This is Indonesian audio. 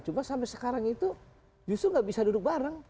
cuma sampai sekarang itu justru nggak bisa duduk bareng